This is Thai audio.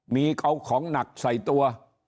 มีเอาของหนักใส่ตัว